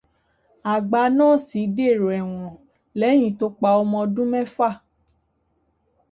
Àgbá nọ́ọ̀sì dèrò ẹ̀wọ̀n lẹ́yìn tó pa ọmọ ọdún mẹ́fà.